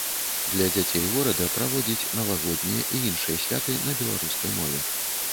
Для дзяцей горада праводзіць навагоднія і іншыя святы на беларускай мове.